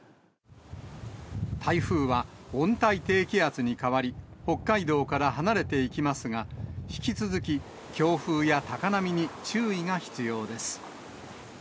台風は温帯低気圧に変わり、北海道から離れていきますが、引き続き強風や高波に注意が必要です。